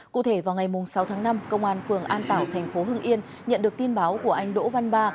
cụ thể vào ngày sáu tháng năm công an phường an tảo thành phố hưng yên nhận được tin báo của anh đỗ văn ba